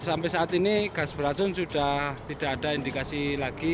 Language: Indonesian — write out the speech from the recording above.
sampai saat ini gas beracun sudah tidak ada indikasi lagi